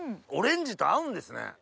オレンジと合うんですね。